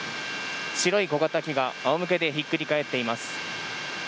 白い小型機があおむけでひっくり返っています。